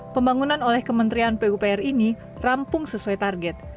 pembangunan oleh kementerian pupr ini rampung sesuai target